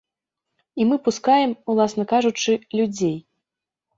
І мы пускаем, уласна кажучы, людзей.